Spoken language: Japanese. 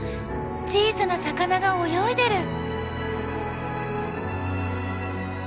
小さな魚が泳いでる！